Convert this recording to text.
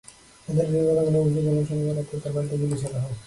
হায়দার আলী গতকাল অভিযোগ করেন, শনিবার রাতে তাঁর বাড়িতে গুলি ছোড়া হয়।